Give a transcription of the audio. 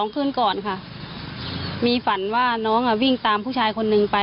คืนก่อนค่ะมีฝันว่าน้องวิ่งตามผู้ชายคนนึงไป